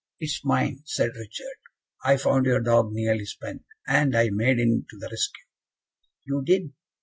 "It is mine," said Richard. "I found your dog nearly spent, and I made in to the rescue." "You did?